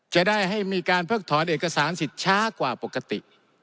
จะได้ให้มีการเพิกถอนเอกสารสิทธิ์ช้ากว่าปกติ